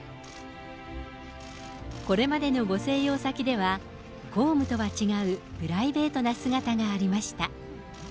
これまでのご静養先では、公務とは違うプライベートな姿がありました。